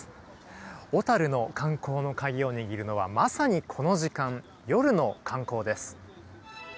小樽の観光の鍵を握るのはまさにこの時間、夜の観光です。